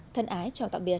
thân ái chào tạm biệt